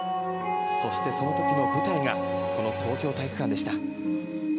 そして、その時の舞台がこの東京体育館でした。